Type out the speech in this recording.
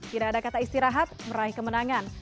tidak ada kata istirahat meraih kemenangan